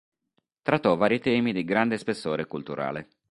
Trattò vari temi di grande spessore culturale.